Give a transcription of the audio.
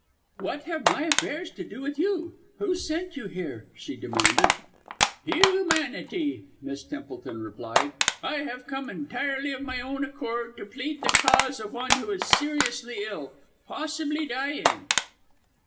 "What have my affairs to do with you? Who sent you here?" she demanded. "Humanity!" Miss Templeton replied. "I have come entirely of my own accord to plead the cause of one who is seriously ill possibly dying!"